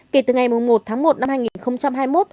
kể từ ngày một tháng một năm hai nghìn hai mươi một